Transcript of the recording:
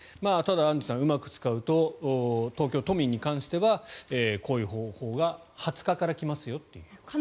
アンジュさんうまく使うと東京都民に関してはこういう方法が２０日からできますということです。